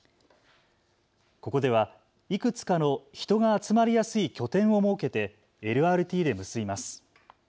ここではいくつかの人が集まりやすい拠点を設けてＬＲＴで結びます。